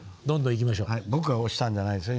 僕が押したんじゃないですよ。